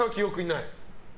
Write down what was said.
ない。